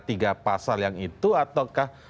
tiga pasal yang itu ataukah